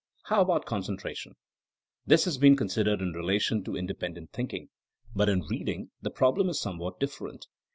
How about concentration 1 This has been con sidered in relation to independent thinking, but in reading the problem is somewhat different.